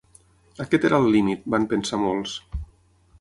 Aquest era el límit, van pensar molts.